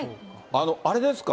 あれですか？